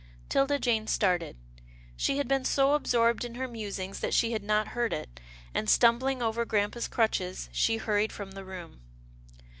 'Tilda Jane started. She had been so absorbed in her musings that she had not heard it, and, stum bling over grampa's crutches, she hurried from the room.